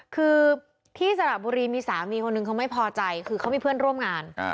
คือที่สระบุรีมีสามีคนหนึ่งเขาไม่พอใจคือเขามีเพื่อนร่วมงาน